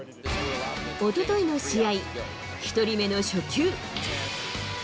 おとといの試合、１人目の初球。